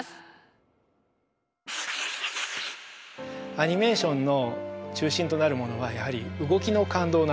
アニメーションの中心となるものはやはり動きの感動なんですね。